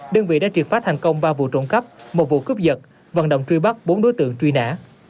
đơn vị đã triệt phá thành công ba vụ trộm cắp một vụ cướp giật vận động truy bắt bốn đối tượng truy nã